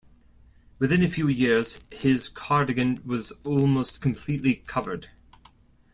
Within a few years, his cardigan was almost completely covered.